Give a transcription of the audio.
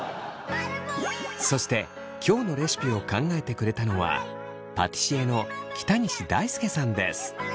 そして今日のレシピを考えてくれたのはパティシエの北西大輔さんです。